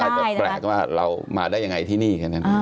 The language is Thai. ก็อาจจะแปลกว่าเรามาได้ยังไงที่นี่